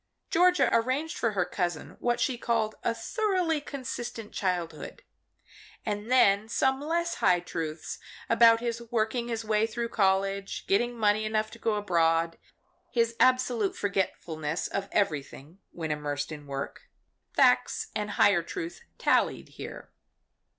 Georgia arranged for her cousin what she called a thoroughly consistent childhood. And then some less high truth about his working his way through college, getting money enough to go abroad, his absolute forgetfulness of everything when immersed in work facts and higher truth tallied here.